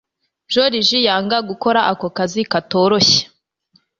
Joriji yanga gukora ako kazi katoroshye